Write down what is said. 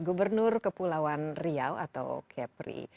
gubernur kepulauan riau atau kepri